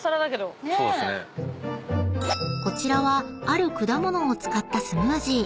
［こちらはある果物を使ったスムージー］